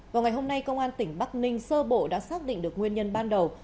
vào ngày hôm nay công an tỉnh bắc ninh sơ bộ đã xác định được nguyên nhân ban đầu